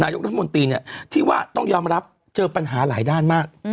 นายกรัฐมนตรีเนี่ยที่ว่าต้องยอมรับเจอปัญหาหลายด้านมาก